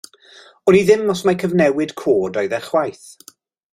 Wn i ddim os mai cyfnewid cod oedd e chwaith.